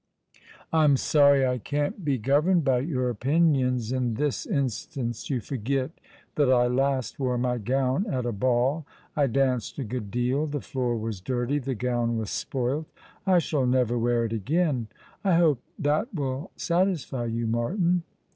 " I'm sorry I can't be governed by your opinions in this instance. You forget that I last wore my gown at a ball, I danced a good deal — the floor was dirty — the gown was siDoilt. I shall never wear it again. I hope that will satisfy you, Martin."